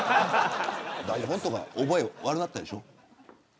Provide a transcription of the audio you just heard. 台本とか覚え悪くなったでしょ。